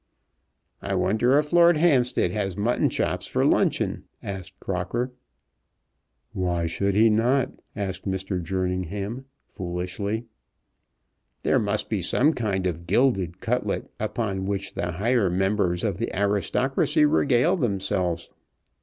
"I wonder if Lord Hampstead has mutton chops for luncheon?" asked Crocker. "Why should he not?" asked Mr. Jerningham, foolishly. "There must be some kind of gilded cutlet, upon which the higher members of the aristocracy regale themselves.